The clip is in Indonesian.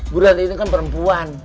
bu rati itu kan perempuan